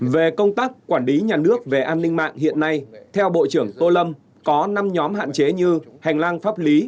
về công tác quản lý nhà nước về an ninh mạng hiện nay theo bộ trưởng tô lâm có năm nhóm hạn chế như hành lang pháp lý